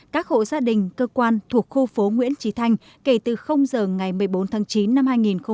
các hộ gia đình cơ quan thuộc khu phố nguyễn trí thanh kể từ giờ ngày một mươi bốn tháng chín năm hai nghìn một mươi chín